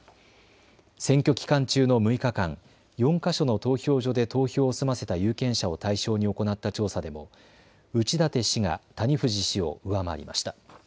選挙期間中の６日間、４か所の投票所で投票を済ませた有権者を対象に行った調査でも内舘氏が谷藤氏を上回りました。